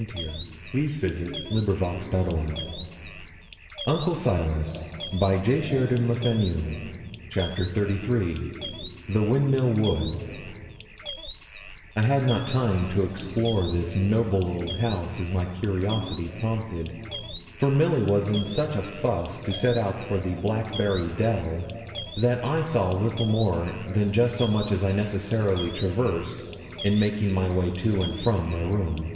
It was a total change; but one likes 'roughing it' a little at first. CHAPTER XXXIII THE WINDMILL WOOD I had not time to explore this noble old house as my curiosity prompted; for Milly was in such a fuss to set out for the 'blackberry dell' that I saw little more than just so much as I necessarily traversed in making my way to and from my room.